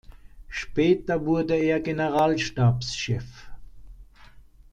Später wurde er Generalstabschef.